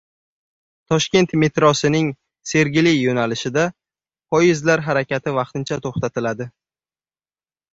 Toshkent metrosining “Sergeli” yo‘nalishida poyezdlar harakati vaqtincha to‘xtatiladi